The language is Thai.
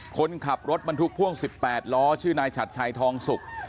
คนขับรถบรรทุกพ่วง๑๘ล้อชื่อนายฉัดชัยทองสุก